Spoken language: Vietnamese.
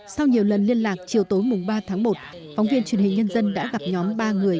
sau nhiều lần liên lạc chiều tối mùng ba tháng một phóng viên truyền hình nhân dân đã gặp nhóm ba người